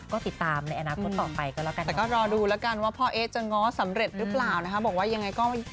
ก็ติดตามในอนาคตต่อไปก็แล้วกัน